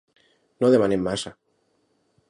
No demanem massa.